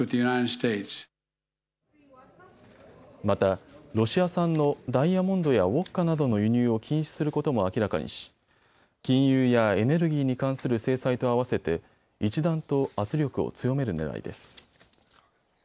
また、ロシア産のダイヤモンドやウォッカなどの輸入を禁止することも明らかにし金融やエネルギーに関する制裁と合わせて一段と圧力を強めるねらいです。